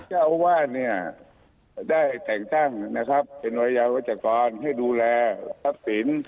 เจ้าอาวาสเนี่ยได้แจ้งตั้งนะครับเพื่อเป็นวัยวัดจากกรให้ดูแลพระศีล